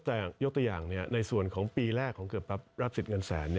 แต่ยกตัวอย่างในส่วนของปีแรกของเกือบรับสิทธิ์เงินแสน